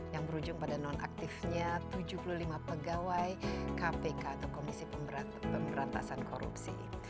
yang berujung pada nonaktifnya tujuh puluh lima pegawai kpk atau komisi pemberantasan korupsi